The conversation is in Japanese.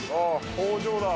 工場だ。